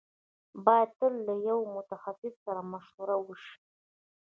بايد تل له يوه متخصص سره مشوره وشي.